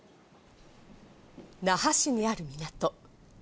那覇市にある港。